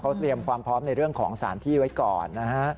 เขาเตรียมความพร้อมในเรื่องของสารที่ไว้ก่อนนะฮะ